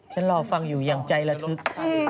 รอฟังอยู่อย่างใจระทึก